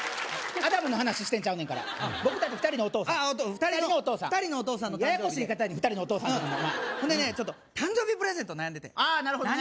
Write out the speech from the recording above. アダムの話してんちゃうねんから僕達２人のお父さんああ２人のお父さんの誕生日ねややこしい言い方やね２人のお父さんというのもまあほんでねちょっと誕生日プレゼント悩んでてああなるほどね